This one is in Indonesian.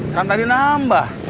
kan tak dinambah